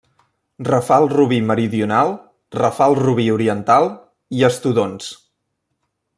Rafal Rubí meridional, Rafal Rubí oriental i Es Tudons.